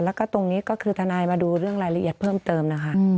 แล้วก็ตรงนี้ก็คือทนายมาดูเรื่องรายละเอียดเพิ่มเติมนะคะ